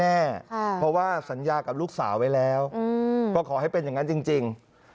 เพราะว่าสัญญากับลูกสาวไว้แล้วก็ขอให้เป็นอย่างนั้นจริง